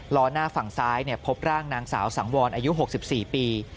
ล้อหน้าฝั่งซ้ายพบร่างนางสาวสังวรอายุ๖๔ปี